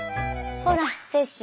ほら雪洲。